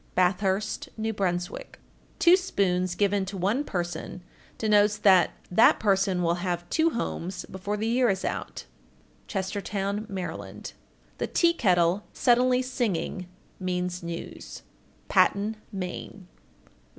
Bathurst, N.B. 1462. Two spoons given to one person denotes that that person will have two homes before the year is out. Chestertown, Md. 1463. The tea kettle suddenly singing means news. _Patten, Me.